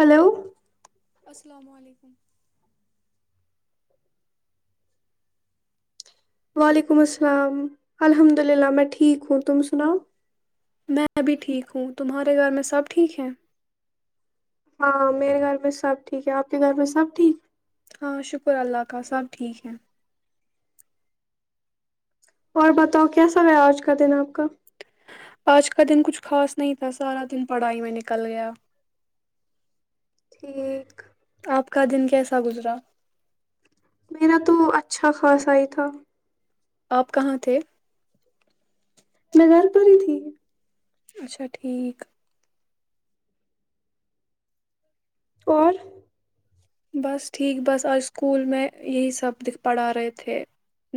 Hello السلام علیکم وعلیکم السلام الحمد للہ میں ٹھیک ہوں تم سناؤ میں بھی ٹھیک ہوں تمہارے گھر میں سب ٹھیک ہیں ہاں میرے گھر میں سب ٹھیک ہے آپ کے گھر میں سب ٹھیک ہاں شکر اللہ کا سب ٹھیک ہیں اور بتاؤ کیسا ہو آج کا دن آپ کا آج کا دن کچھ خاص نہیں تھا سارا دن پڑائی میں نکل گیا ٹھیک آپ کا دن کیسا گزرا میرا تو اچھا خاصہ ہی تھا آپ کہاں تھے میں گھر پر ہی تھی اچھا ٹھیک اور بس ٹھیک بس آج اسکول میں یہی سبکھ پڑھا رہے تھے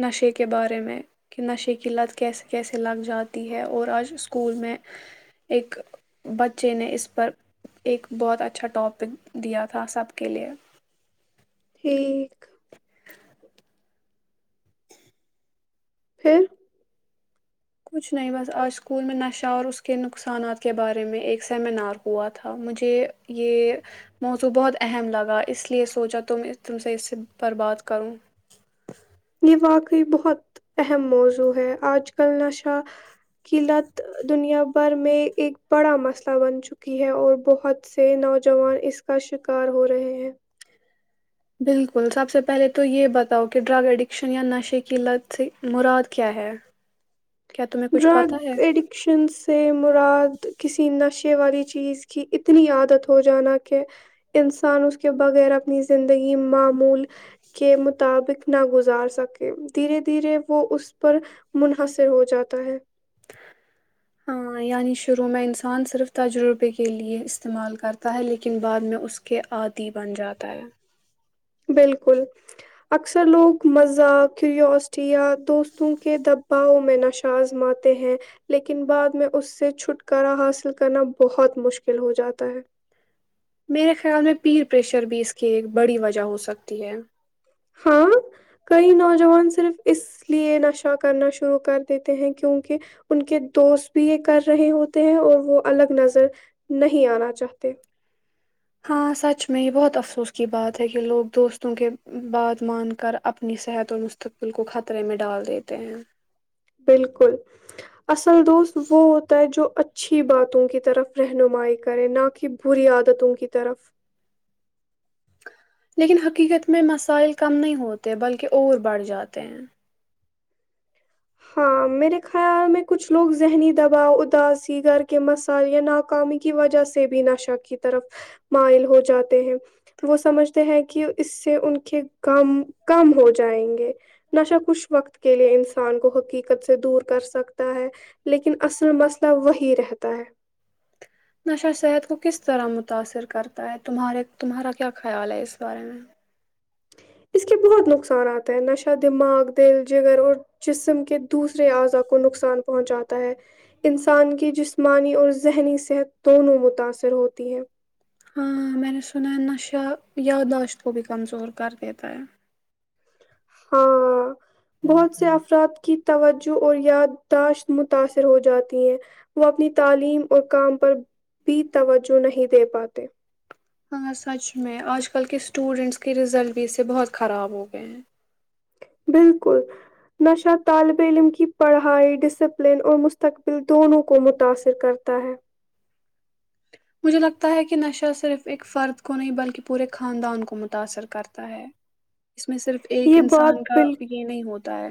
نشے کے بارے میں کہ نشے کی لت کیسے کیسے لگ جاتی ہے اور آج اسکول میں ایک بچے نے اس پر ایک بہت اچھا ٹاپک دیا تھا سب کے لئے ٹھیک پھر کچھ نہیں بس آج سکول میں نشہ اور اسکے نقصانات کے بارے میں ایک سیمینار ہوا تھا مجھےیہ یہ موضوع بہت اہم لکا اسلئے سوچا تم سے اس پر بات کروں یہ واقعی بہت اہم موضوع ہے آج کل نشہ کی لت دنیا بھر میں ایک بڑا مسئلہ بن چکی ہے اور بہت سے نوجوان اس کا شکار ہو رہے ہیں بالکل سب سے پہلے تو یہ بتاؤ کہ ڈرگ ایڈکشن یا نشے کی لت سے مراد کیا ہے کیا تمہیں کچھ پتہ ڈرگ ہے ایڈکشن سے مراد کسی نشے والی چیز کی اتنی عادت ہو جانا کہ انسان اس کے بغیر اپنی زندگی معمول کے مطابق نہ گزار سکے دھیرے دھیرے وہ اس پر منحصر ہو جاتا تو ہے ہاں یعنی شروع میں انسان صرف تجربہ کےلئے استعمال کرتا ہے لیکن بعد میں اسکے عادی بن جاتے ہیں بلکل اکثر لوگ مزاک کیوروسٹی یا دوستوں کے دباؤ میں نشہ آزماتے ہیں لیکن بعد میں اس سے چھٹکارا حاصل کرنا بہت مشکل ہو جاتا ہے میرے خیال میں پیر پریشر بھی اس کی ایک بڑی وجہ ہو سکتی ہے ہاں کئی نوجوان صرف اس لیے نشہ کرنا شروع کر دیتے ہیں کیونکہ ان کے دوست بھی یہ کر رہے ہوتے ہیں اور وہ الگ نظر نہیں آنا چاہتے ہاں سچ میں یہ بہت افسوس کی بات ہے کہ لوگ دوستوں کے بات مان کر اپنی صحت اور مستقبل کو خطرے میں ڈال دیتے ہیں بالکل اصل دوست وہ ہوتا ہے جو اچھا اچھی باتوں کی طرف رہنمائی کریں نہ کہ بری عادتوں کی طرف لیکن حقیقت میں مسائل کم نہیں ہوتے بلکہ اور بڑھ جاتے ہیں ہاں میرے خیال میں کچھ لوگ ذہنی دباؤ اداسی گر کے مسائ یا ناکامی کی وجہ سے بھی نشہ کی طرف مائل ہو جاتے ہیں وہ سمجھتے ہیں کہ اس سے ان کے غم کم ہو جائیں گے نشا کچھ وقت کے لیے انسان کو حقیقت سے دور کر سکتا ہے لیکن اصل مسئلہ وہی رہتا تار نشہ صحت کو کس طرح متاثر کرتا ہے تمہارے تمہارا کیا خیال ہے اس بارے میں اس کے بہت نقصاناتتا ہے نشہ دماغ دل جگر اور جسم کے دوسرے اعضاء کو نقصان پہنچاتا ہے انسان کی جسمانی اور ذہنی صحت دونوں متاثر ہوتی ہے ہاں میں نے سنا ہے نشہ یادداشت کو بھی کمزور کر دیتا ہے ہاں بہت سے افراد کی توجہ اور یادداشت متاثر ہو جاتی ہیں وہ اپنی تعلیم اور کام پر بھی توجہ نہیں دے پاتے ہاں سچ میں آج کل کے اسٹوڈینٹس کے رزلٹ بھی اس سے بہت خراب ہو گئے ہیں بالکل نشہ طالب علم کی پڑھائی ڈسپلن اور مستقبل دونوں کو متاثر کرتا ہے مجھے لگتا ہے کہ نشہ صرف ایک فرد کو نہیں بلکہ پورے خاندان کو متاثر کرتا ہے اس میں صرف ایک یہ بات انسان کا بال یہ نہیں ہوتا تا ہے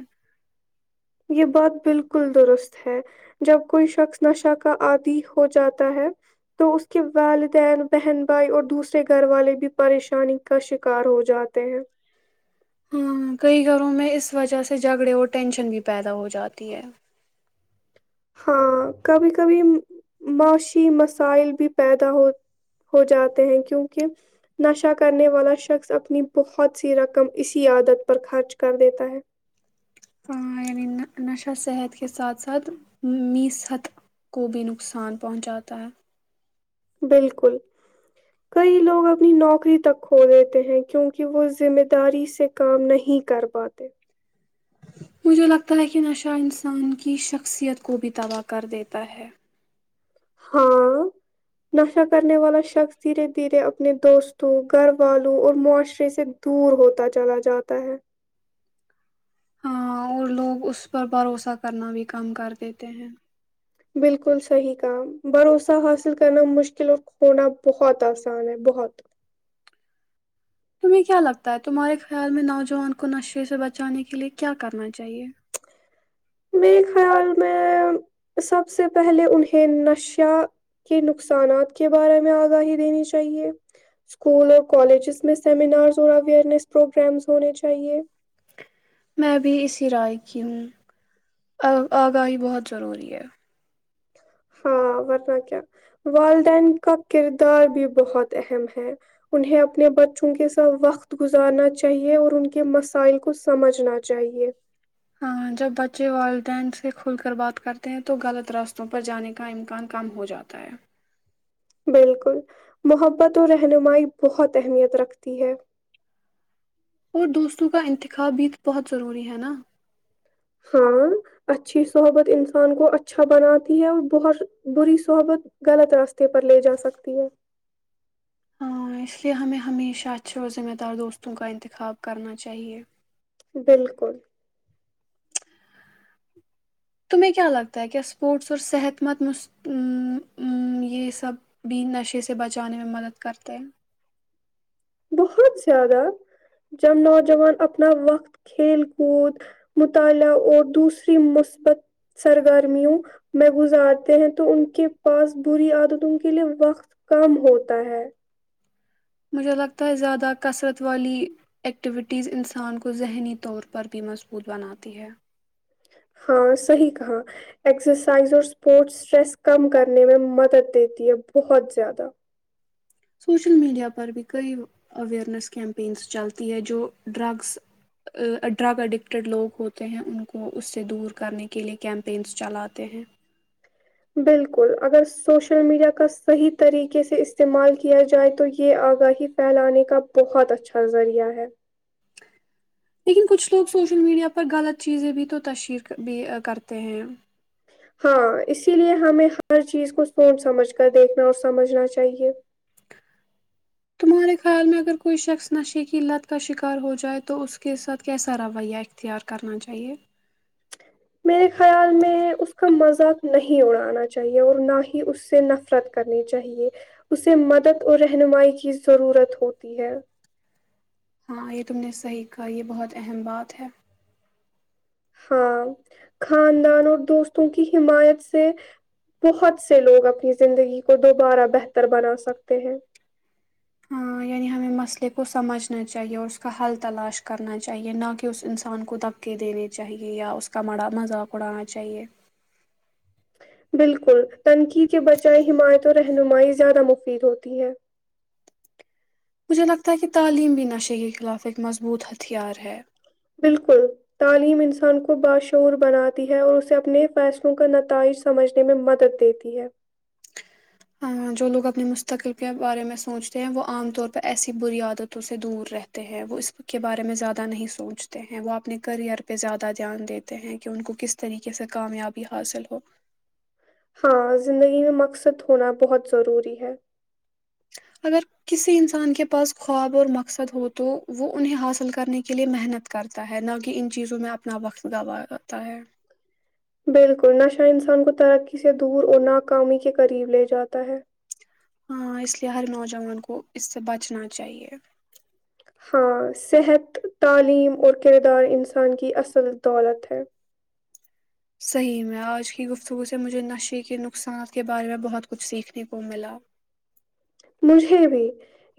[inaudible] ہاں کئی گھروں میں اس وجہ سے جھگڑے اور ٹینشن بھی پیدا ہو جاتی ہے ہاں کبھی کبھی معاشی مسائل بھی پیدا ہو ہو جاتے ہیں کیونکہ نشہ کرنے والا شخص اپنی بہت سی رقم اسی عادت پر خرچ کر دیتا ہے یعنی نشہ صحت کے ساتھ ساتھ می صت کو بھی نقصان پہنچاتا ہے بالکل کئی لوگ اپنی نوکری تک کھو دیتے ہیں کیونکہ وہ ذمہ داری سے کام نہیں کر پاتے مجھے لگتا ہے کہ نشہ انسان کی شخصیت کو بھی تباہ کر دیتا ہے ہاں نشہ کرنے والا شخص دھیرے دھیرے اپنے دوستوں گھر والوں اور معاشرے سے دور ہوتا چلا جاتا ہے ہاں اور لوگ اس پر بھروسہ کرنا بھی کم کر دیتے ہیں بالکل صحیح کام بھروسہ حاصل کرنا مشکل اور ہونا بہت آسان ہے بہت تمہیں کیا لگتا ہے تمہارے خیال میں نوجوان کو نشے سے بچانے کے لیئے کیا کرنا چاہیئے میرے خیال میں سب سے پہلے انہیں نشہ کے نقصانات کے بارے میں آگاہی دینی چاہیے اسکول اور کالجز میں سیمینارس اور اویرنیس پروگرامس ہونے چاہے میں بھی اسی رائے کی ہوں آگاہی بہت ضروری ہے ہاں ورنہ کیا والدین کا کردار بھی بہت اہم ہے انہیں اپنے بچوں کے ساتھ وقت گزارنا چاہیے اور ان کے مسائل کو سمجھنا چاہیے ہاں جب بچے والدین سے کھل کر بات کرتے ہیں تو غلط راستوں پر جانے کا امکان کم ہو جاتا ہے بالکل محبت اور رہنمائی بہت اہمیت رکھتی ہے اور دوستوں کا انتخاب بھی بہت ضروری ہے نا ہاں اچھی صحبت انسان کو اچھا بناتی ہے اور بہت بری صحبت غلط راستے پر لے جا سکتی ہے ہاں اس لیے ہمیں ہمیشہ اچھے اور ذمہ دار دوستوں کا انتخاب کرنا چاہیے بالکل تمہیں کیا لگتا ہے کیا اسپورٹس اور صحت مند م یہ سب بھی نشے سے بچانے میں مدد کرتے ہیں بہت زیادہ جب نوجوان اپنا وقت کھیل کود مطالعہ اور دوسری مثبت سرگرمیوں میں گزارتے ہیں تو ان کے پاس بری عادتوں کے لیئے وقت کم ہوتا ہے مجھے لگتا ہے زیادہ کثرت والی ایکٹیویٹیز انسان کو ذہنی طور پر بھی مضبوط بناتی ہے ہاں صحیح کہا ایکسرسائز اور اسپورٹس اسٹریس کم کرنے میں مدد دیتی ہے بہت زیادہ [inaudible] بالکل اگر سوشل میڈیا کا صحیح طریقے سے استعمال کیا جائے تو یہ آگاہی پھیلانے کا بہت اچھا ذریعہ ہے لیکن کچھ لوگ سوشل میڈیا پر غلط چیزیں بھی تو تشہیر بھی کرتے ہیں ہاں اسی لیے ہمیں ہر چیز کو سون سمجھ کر دیکھنا اور سمجھنا چاہیے جناب آپ کے خیال میں اگر کوئی جنسی لت کا شکار ہو جائے تو کیا کرنا چاہیے؟ میرے خیال میں اس کا مزہ نہیں اڑانا چاہیے اور نہ ہی اس سے نفرت کرنی چاہیے اسے مدد اور رہنمائی کی ضرورت ہوتی ہے ہاں یہ تم نے صحیح کہا یہ بہت اہم بات ہے ہاں خاندان اور دوستوں کی حمایت سے بہت سے لوگ اپنی زندگی کو دوبارہ بہتر بنا سکتے ہیں ہاں، یعنی ہمیں مسئلے کو سمجھنا چاہیے اور اس کا حل تلاش کرنا چاہیے، نہ کہ اس انسان کو دھکے دینے چاہئیں یا اس کا مذاق اڑانا چاہیے۔ بالکل تنقید کے بجائے حمایت و رہنمائی زیادہ مفید ہوتی ہے مجھے لگتا ہے کہ تعلیم بھی نشے کے خلاف ایک مضبوط ہتھیار ہے بلاشبہ، تعلیم صرف انسان کو بہتر بناتی ہے۔ اس سے اسے اپنے پیسے کی قدر سمجھنے میں مدد ملتی ہے۔ [unintelligible] ہاں زندگی میں مقصد ہونا بہت ضروری ہے [unintelligible] بالکل نشہ انسان کو ترقی سے دور اور ناکامی کے قریب لے جاتا ہے ہاں اس لیے ہر نوجوان کو اس سے بچنا چاہیے ہاں صحت تعلیم اور کردار انسان کی اصل دولت ہے صحیح میں آج کی گفتگو سے مجھے نشے کے نقصانات کے بارے میں بہت کچھ سیکھنے کو ملا مجھے بھی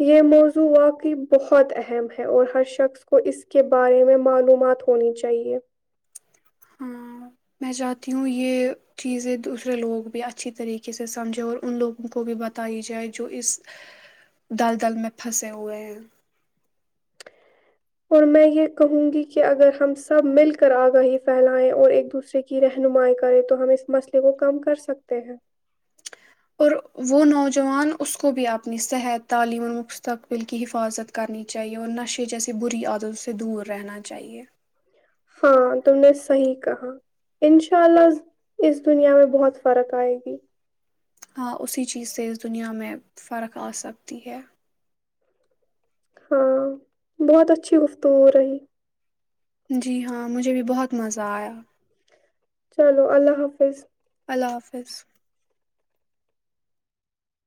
یہ موضوع واقعی بہت اہم ہے اور ہر شخص کو اس کے بارے میں معلومات ہونی چاہیے ہاں میں چاہتی ہوں یہ چیزیں دوسرے لوگ بھی اچھی طریقے سے سمجھیں اور ان لوگوں کو بھی بتائی جائے جو اس دل دل میں پھنسے ہوئے ہیں اور میں یہ کہوں گی کہ اگر ہم سب مل کر آگاہی پھیلائیں اور ایک دوسرے کی رہنمائی کریں تو ہم اس مسئلے کو کم کرسکتے ہیں [unintelligible] ہاں تم نے صحیح کہا ان شاء اللہ اس دنیا میں بہت فرق آئے گی [unintelligible] ہاں اسی چیز سے اس دنیا میں فرق ا ہاں بہت اچھی گفتگو رہی جی ہاں مجھے بھی بہت مزہ آیا چلو اللہ حافظ اللہ حافظ